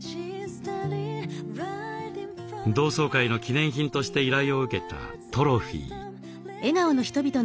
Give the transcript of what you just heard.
同窓会の記念品として依頼を受けたトロフィー。